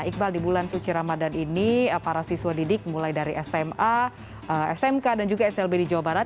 iqbal di bulan suci ramadan ini para siswa didik mulai dari sma smk dan juga slb di jawa barat